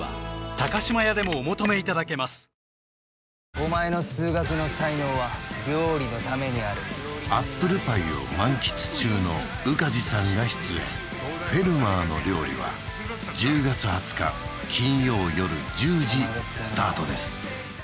お前の数学の才能は料理のためにあるアップルパイを満喫中の宇梶さんが出演「フェルマーの料理」は１０月２０日金曜夜１０時スタートです